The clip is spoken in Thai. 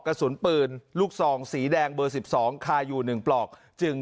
กระสุนปืนลูกซองสีแดงเบอร์สิบสองคายอยู่หนึ่งปลอกจึง